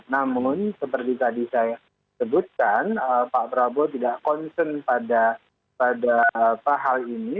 namun seperti tadi saya sebutkan pak prabowo tidak concern pada hal ini